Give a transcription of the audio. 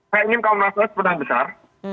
saya ingin kaum nasionalis menang besar